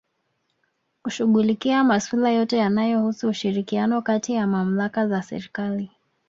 Kushughulikia masula yote yanayohusu ushirikiano kati ya Malmaka za Serikali